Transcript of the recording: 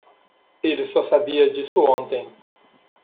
Ele só sabia disso ontem.